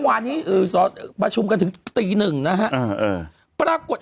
กว่านี้เออสอดประชุมกันถึงตีหนึ่งนะฮะเออประรากฎ